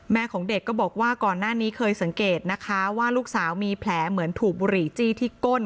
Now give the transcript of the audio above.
ของเด็กก็บอกว่าก่อนหน้านี้เคยสังเกตนะคะว่าลูกสาวมีแผลเหมือนถูกบุหรี่จี้ที่ก้น